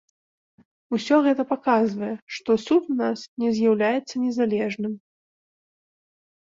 Усё гэта паказвае, што суд у нас не з'яўляецца незалежным.